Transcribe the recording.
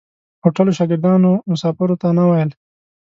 هوټلو شاګردانو مسافرو ته نه ویل.